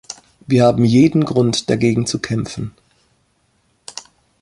Wir haben jeden Grund, dagegen zu kämpfen.